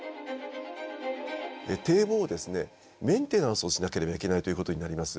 堤防をですねメンテナンスをしなければいけないということになります。